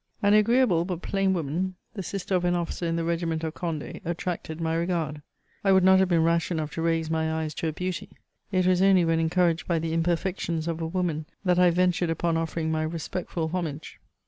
An agreeable but plain woman, the sister of an officer in the regiment of Conde attracted my regard ; I would not have been rash enough to raise my eyes to a beauty ; it was only when encouraged by the imperfections of a woman that I ventured upon offering my respectful homage.